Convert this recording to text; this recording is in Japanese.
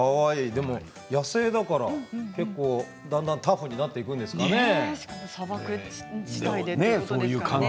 でも野生だからどんどんタフになっていくんでしょうかね。